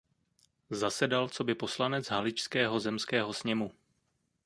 Zasedal coby poslanec Haličského zemského sněmu.